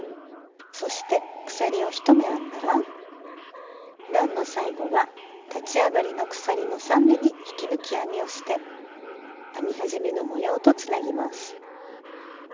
そして鎖を１目編んだら段の最後は立ち上がりの鎖の３目めに引き抜き編みをして編み始めの模様とつなぎます。